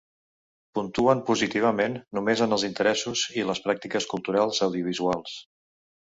Puntuen positivament només en els interessos i les pràctiques culturals audiovisuals.